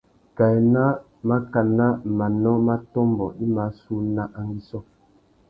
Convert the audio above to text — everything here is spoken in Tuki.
Kā ena màkánà manô mà tômbô i mà sú una angüissô.